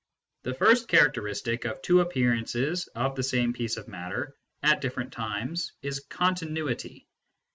The first characteristic of two appearances of the same piece of matter at different times is continuity.